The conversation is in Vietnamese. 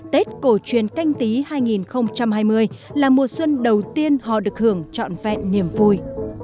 tết cổ truyền canh tí hai nghìn hai mươi là mùa xuân đầu tiên họ được hưởng trọn vẹn niềm vui